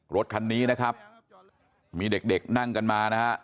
รถคันนี้นะครับมีเด็กนั่งกันมานะฮะ